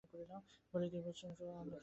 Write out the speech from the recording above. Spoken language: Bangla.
বলেই তীব্র চোখে আমার দিকে তাকাল।